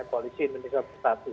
koalisi indonesia bersatu